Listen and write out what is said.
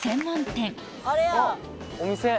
お店！